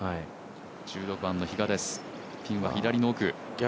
１６番の比嘉です、ピンは左です。